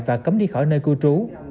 và cấm đi khỏi nơi cư trú